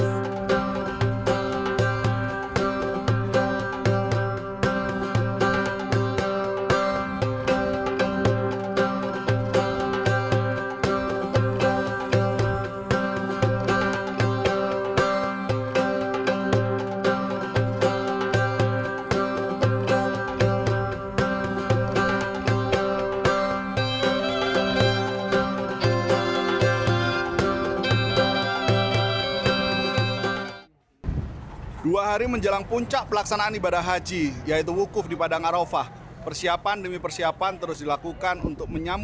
sampai jumpa di video selanjutnya